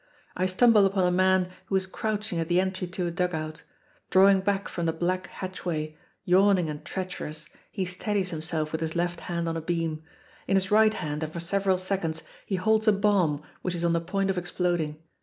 I stumble upon a man who is crouching at the entry to a dug out. Drawing back from the black hatchway, yawning and treacherous, he steadies himself with his left hand on a beam. In his right hand and for several seconds he holds a bomb which is on the point of exploding.